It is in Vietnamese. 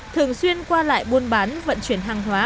thường xuyên qua lại buôn bán vận chuyển hàng hóa